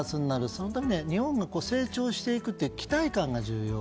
そのためには日本が成長していくという期待感が重要。